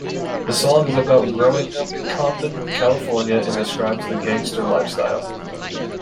The song is about growing up in Compton, California, and describes the gangster lifestyle.